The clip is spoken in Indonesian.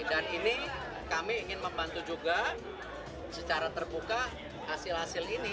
dan ini kami ingin membantu juga secara terbuka hasil hasil ini